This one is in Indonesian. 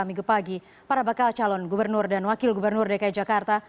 minggu pagi para bakal calon gubernur dan wakil gubernur dki jakarta